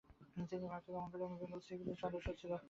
তিনি ভারত গমন করেন এবং বেঙ্গল সিভিল সার্ভিসে যোগ দেন।